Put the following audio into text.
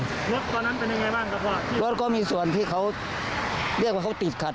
รถตอนนั้นเป็นยังไงบ้างครับว่ารถก็มีส่วนที่เขาเรียกว่าเขาติดขัด